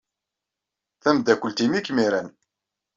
Tameddakelt-nnem ay kem-iran.